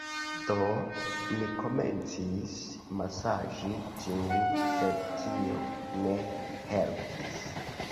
Do, mi komencis masaĝi ĝin sed tio ne helpis